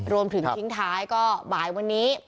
รวมถึงทิ้งท้ายก็บ่ายวันนี้